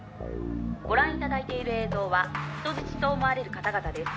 「ご覧いただいている映像は人質と思われる方々です」